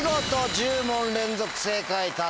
１０問連続正解達成。